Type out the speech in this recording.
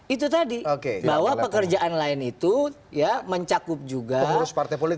itu tadi bahwa pekerjaan lain itu mencakup juga pengurus parpol